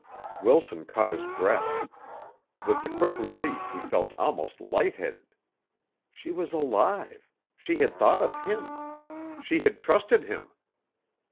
Wilson caught his breath. With the quick relief he felt almost light headed. She was alive she had thought of him she had trusted him!